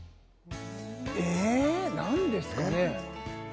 え何ですかね？